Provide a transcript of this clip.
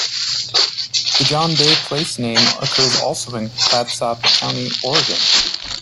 The John Day place name occurs also in Clatsop County, Oregon.